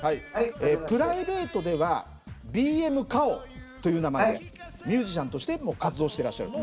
プライベートでは「ＢＭカオ」という名前でミュージシャンとしても活動してらっしゃると。